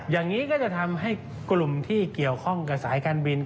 อย่างนี้ก็จะทำให้กลุ่มที่เกี่ยวข้องกับสายการบิน